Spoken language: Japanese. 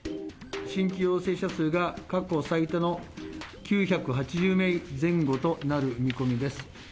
新規陽性者数が過去最多の９８０名前後となる見込みです。